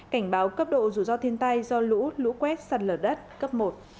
cảnh báo cấp độ rủi ro thiên tai do lũ lũ quét sạt lở đất cấp một